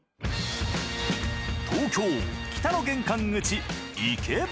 東京北の玄関口池袋。